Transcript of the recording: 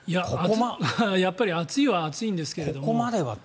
やっぱり暑いは暑いんですが。